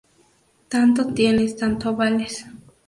Tanto tienes, tanto vales